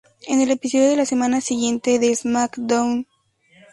En el episodio de la semana "siguiente" de "SmackDown!